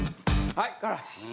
はい。